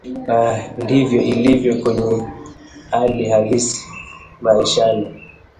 Na ndivyo ilivyo kwenye hali halisi maishani